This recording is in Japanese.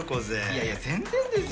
いやいや全然ですよ。